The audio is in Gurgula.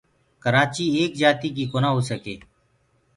ڪرآچيٚ ايڪ جآتيٚ ڪيٚ ڪونآ هو سڪي